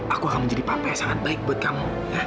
aku akan menjadi papa yang sangat baik buat kamu